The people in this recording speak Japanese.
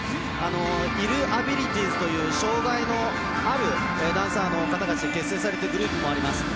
イルアビリティーズという障がいのあるダンサーの方たちで結成されているグループもあります。